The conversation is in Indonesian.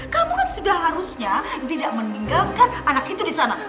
kamu kan sudah harusnya tidak meninggalkan anak itu disana